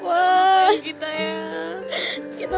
mw jadi passo waktunya di kebunaan